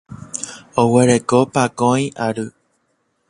Oguereko pakõi ary.